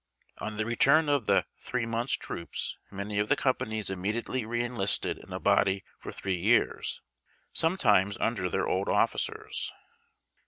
On the return of the " Three months " troops many of the companies immediately re enlisted in a body for three years, sometimes under their old officers.